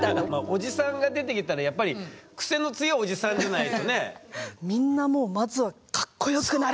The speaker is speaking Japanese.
おじさんが出てきたらやっぱりクセの強いおじさんじゃないとね？